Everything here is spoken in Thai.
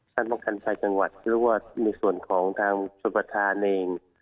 ชั้นบังคัญชายกังวัดหรือว่าในส่วนของทางชนประธานเอง